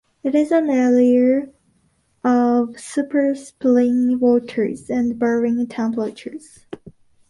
It is an area of Spa-spring waters and varying temperatures.